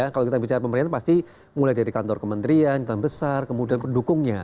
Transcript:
kalau kita bicara pemerintah pasti mulai dari kantor kementerian dalam besar kemudian pendukungnya